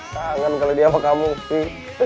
kangen kalau dia bakal mufi